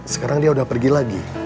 sekarang dia udah pergi lagi